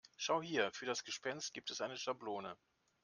Schau hier, für das Gespenst gibt es eine Schablone.